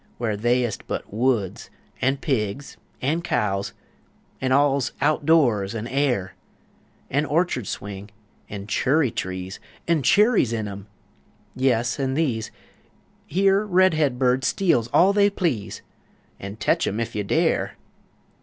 where They's ist but woods an' pigs, an' cows An' all's out doors an' air! An' orchurd swing; an' churry trees An' churries in 'em! Yes, an' these Here red head birds steals all they please, An' tetch 'em ef you dare!